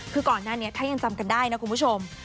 คือก่อนหน้านี้ถ้ายังจำกันได้นะคุณผู้ชม